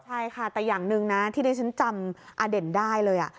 ใช่ค่ะแต่อย่างหนึ่งนะที่ดิฉันจำอเด่นได้เลย